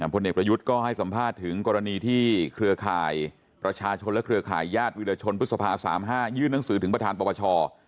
ผู้เด็กประยุทธ์ก็ให้สัมภาษณ์ถึงกรณีที่เครือข่ายประชาชนและเครือข่ายญาติวิทยาลชนพฤษภาสามห้ายื้อนังสือถึงประธานประวัติศาสตร์